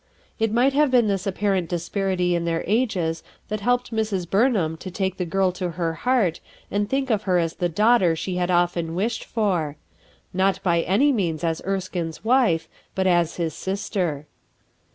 It might have been this apparent disparity in their ages that helped Mrs. Burnhani to take the girl to her heart and think of her as the daughter she had often wished for; not by any means as Erskine's wife, but as his sister.